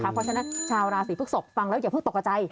เพราะฉะนั้นชาวราศีพฤกษกฟังแล้วอย่าเพิ่งตกกระใจ